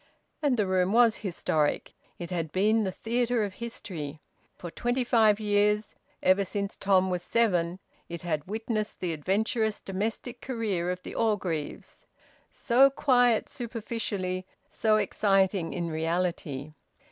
And the room was historic; it had been the theatre of history. For twenty five years ever since Tom was seven it had witnessed the adventurous domestic career of the Orgreaves, so quiet superficially, so exciting in reality.